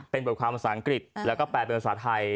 เป็นบทความภาษาอังกฤษแล้วก็แปลเป็นภาษาไทย